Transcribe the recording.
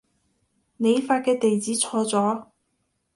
你發嘅地址錯咗